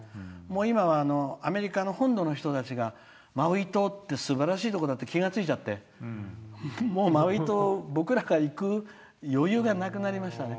今はアメリカの本土の人たちがマウイ島ってすばらしいところだって気が付いちゃってもうマウイ島、僕らが行く余裕がなくなりましたね。